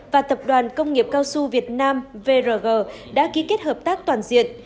và tập đoàn công nghiệp cao su việt nam vrg đã ký kết hợp tác toàn diện